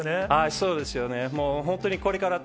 そうですよね。